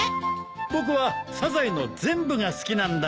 僕はサザエの全部が好きなんだ。